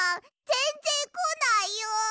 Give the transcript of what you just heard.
ぜんぜんこないよ！